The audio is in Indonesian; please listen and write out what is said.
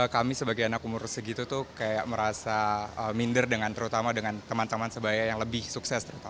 kami sebagai anak umur segitu tuh kayak merasa minder dengan terutama dengan teman teman sebaya yang lebih sukses